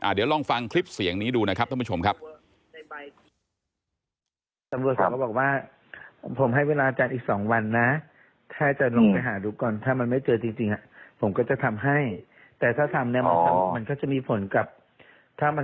เดี๋ยวลองฟังคลิปเสียงนี้ดูนะครับท่านผู้ชมครับ